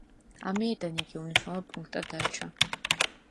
ამიერიდან იგი უმნიშვნელო პუნქტად დარჩა.